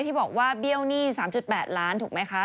ที่บอกว่าเบี้ยวหนี้๓๘ล้านถูกไหมคะ